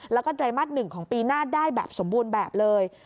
แล้วก็ไตรมาส๑ของปีหน้าได้แบบสมบูรณ์แบบเลย